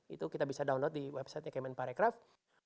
itu kita bisa download di websitenya kemen pari craft